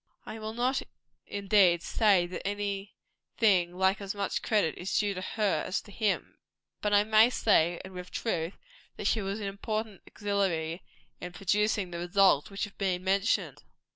I will not, indeed, say that any thing like as much credit is due to her as to him; but I may say, and with truth, that she was an important auxiliary in producing the results that have been mentioned.